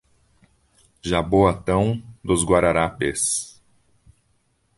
Jaboatão Dos Guararapes